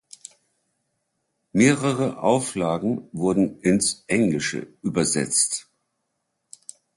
Mehrere Auflagen wurden ins Englische übersetzt.